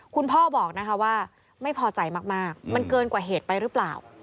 คุณพ่อบอกนะคะว่าไม่พอใจมากมันเกินกว่าเหตุไปหรือเปล่า